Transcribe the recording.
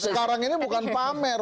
sekarang ini bukan pamer